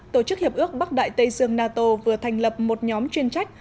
tổ chức hiệp ước bắc đại tây dương nato vừa thành lập một nhóm chuyên trách